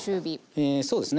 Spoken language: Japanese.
えそうですね。